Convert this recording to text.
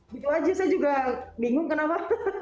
gitu aja saya juga bingung kenapa